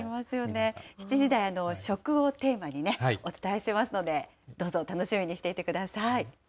７時台、食をテーマにお伝えしますので、どうぞ楽しみにしていてください。